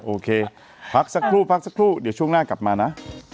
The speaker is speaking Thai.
โอเคพักสักครู่พักสักครู่เดี๋ยวช่วงหน้ากลับมานะ